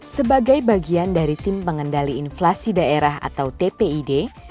sebagai bagian dari tim pengendali inflasi daerah atau tpid